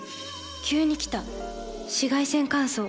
急に来た紫外線乾燥。